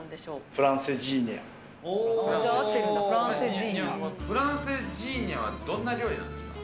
フランセジーニャはどんな料理なんですか？